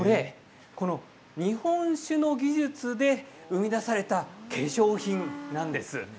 日本酒の技術で生み出された化粧品なんです。